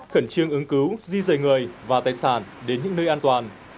khẩn trương ứng cứu di rời người và tài sản đến những nơi an toàn